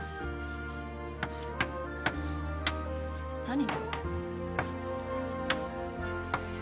何？